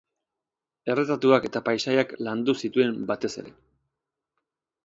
Erretratuak eta paisaiak landu zituen batez ere.